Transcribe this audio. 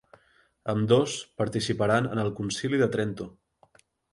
Ambdós participaren en el Concili de Trento.